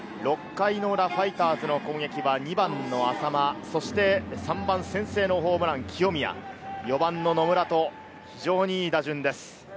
６回の裏、ファイターズの攻撃は２番の淺間、そして３番、先制のホームランの清宮、４番の野村と、非常にいい打順です。